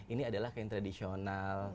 ini adalah kayak tradisional